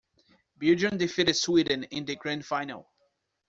Belgium defeated Sweden in the grand final.